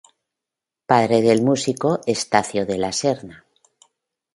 Padre del músico Estacio de la Serna.